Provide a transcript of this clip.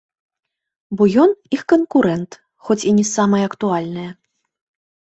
Бо ён -—іх канкурэнт, хоць і не самае актуальнае.